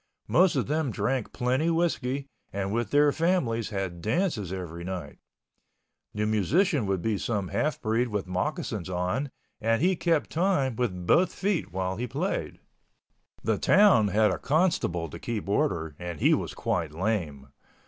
Most of them drank plenty whiskey and with their families had dances every night. The musician would be some half breed with moccasins on, and he kept time with both feet while he played. The town had a constable to keep order, and he was quite lame.